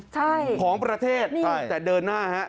ใช่ของประเทศแต่เดินหน้าฮะ